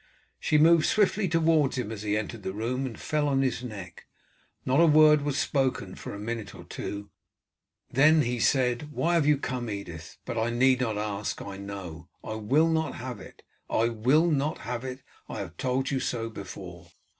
She moved swiftly towards him as he entered the room and fell on his neck. Not a word was spoken for a minute or two, then he said: "Why have you come, Edith? But I need not ask, I know. I will not have it, I will not have it! I have told you so before.